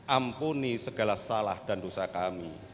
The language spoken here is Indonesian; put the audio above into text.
ampuni segala salah dan dosa kami